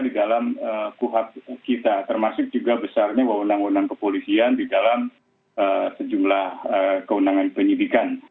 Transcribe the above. di dalam ku hat kita termasuk juga besarnya wawonan wawonan kepolisian di dalam sejumlah kewunangan penyidikan